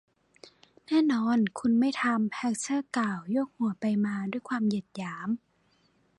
แน่นอน คุณไม่ทำ แฮทเทอร์ กล่าว โยกหัวไปมาด้วยความเหยียดหยาม